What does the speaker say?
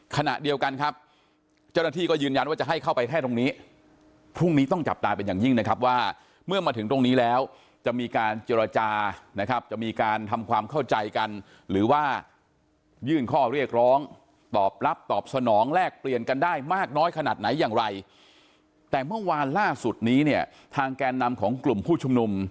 ขณะเดียวกันครับเจ้าหน้าที่ก็ยืนยันว่าจะให้เข้าไปแค่ตรงนี้พรุ่งนี้ต้องจับตาเป็นอย่างยิ่งนะครับว่าเมื่อมาถึงตรงนี้แล้วจะมีการเจรจานะครับจะมีการทำความเข้าใจกันหรือว่ายื่นข้อเรียกร้องตอบรับตอบสนองแลกเปลี่ยนกันได้มากน้อยขนาดไหนอย่างไรแต่เมื่อวานล่าสุดนี้เนี่ยทางแกนนำของกลุ่มผู้ชุมนุม